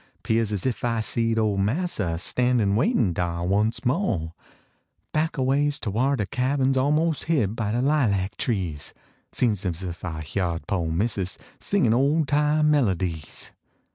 Pears es if I seed ole niassa Standin waitin dar once mo Back aways to whar de cabin s Almos hid by lilac trees Seems es ef I h yard po missus Singin old time melodies.